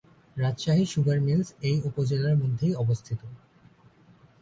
Rajshahi sugar mills এই উপজেলার মধ্যেই অবস্থিত।